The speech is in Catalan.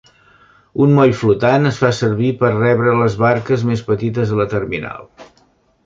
Un moll flotant es fa servir per rebre les barques més petites a la terminal.